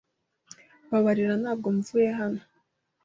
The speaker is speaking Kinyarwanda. Mbabarira. Ntabwo mvuye hano.